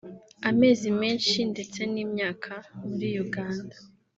amezi menshi ndetse n’imyaka muri Uganda